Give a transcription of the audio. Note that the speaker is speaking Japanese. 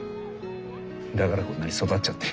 だからこんなに育っちゃって。